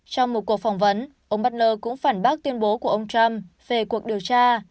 trong một cuộc phỏng vấn ông bardner cũng phản bác tuyên bố của ông trump về cuộc điều tra